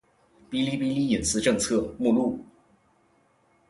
《哔哩哔哩隐私政策》目录